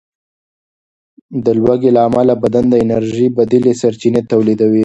د لوږې له امله بدن د انرژۍ بدیلې سرچینې تولیدوي.